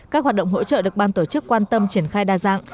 các hoạt động hỗ trợ được ban tổ chức quan tâm triển khai đa dạng